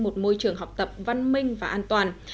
một môi trường học tập văn minh và an toàn